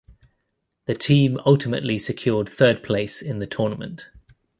The team ultimately secured third place in the tournament.